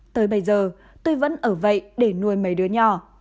tới bây giờ tôi vẫn ở vậy để nuôi mấy đứa nhỏ